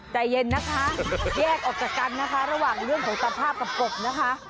ใจเย็นนะคะแยกออกจากกันนะคะระหว่างเรื่องของสภาพกับกบนะคะ